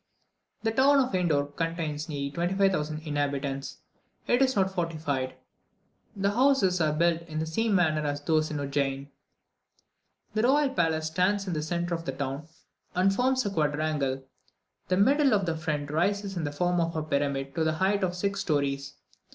The town of Indor contains nearly 25,000 inhabitants; it is not fortified; the houses are built in the same manner as those in Udjein. The royal palace stands in the centre of the town, and forms a quadrangle. The middle of the front rises in the form of a pyramid, to the height of six stories.